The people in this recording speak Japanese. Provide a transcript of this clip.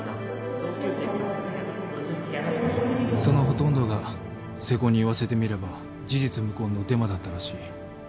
そのほとんどが瀬古に言わせてみれば事実無根のデマだったらしい。